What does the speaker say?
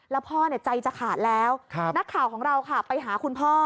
แล้วพ่อใจจะขาดแล้วนักข่าวของเราค่ะไปหาคุณพ่อ